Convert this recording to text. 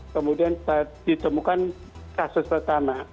kemudian ditemukan kasus pertama